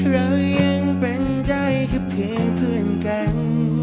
เรายังเป็นใจแค่เพียงเพื่อนกัน